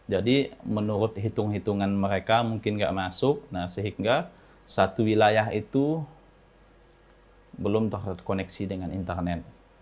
jadi menurut hitung hitungan mereka mungkin nggak masuk sehingga satu wilayah itu belum terkoneksi dengan internet